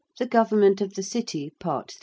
THE GOVERNMENT OF THE CITY. PART III.